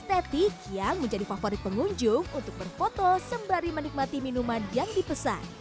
tetik yang menjadi favorit pengunjung untuk berfoto sembari menikmati minuman yang dipesan